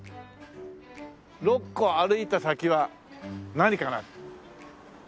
６個歩いた先は何かな？